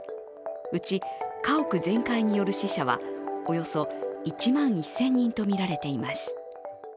うち家屋全壊による死者はおよそ１万１０００人とみられています